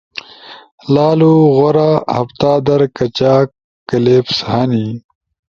لالو غورا! ہفتہ در کچاک کلپس ہنی؟